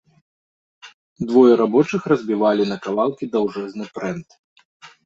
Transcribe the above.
Двое рабочых разбівалі на кавалкі даўжэзны прэнт.